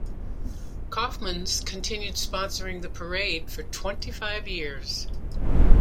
Kaufmann's continued sponsoring the parade for twenty-five years.